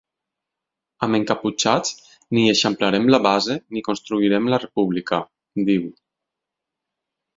Amb encaputxats ni eixamplarem la base ni construirem la república, diu.